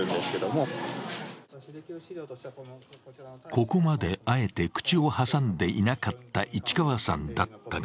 ここまであえて口を挟んでいなかった市川さんだったが